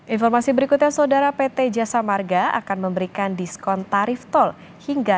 informasi berikutnya saudara pt jasa marga akan memberikan diskon tarif tol hingga